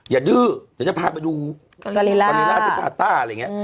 ดื้อเดี๋ยวจะพาไปดูล่าที่พาต้าอะไรอย่างนี้